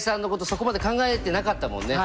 そこまで考えてなかったもんね。